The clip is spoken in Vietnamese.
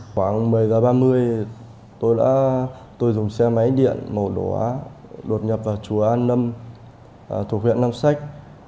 khoảng một mươi giờ ba mươi tôi dùng xe máy điện màu đỏ đột nhập vào chùa an lâm thuộc huyện nam sách